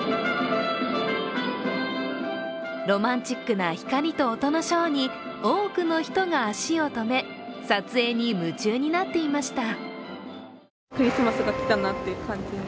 ロマンチックな光と音のショーに多くの人が足を止め撮影に夢中になっていました。